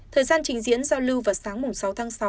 thời gian trình diễn giao lưu vào sáng sáu tháng sáu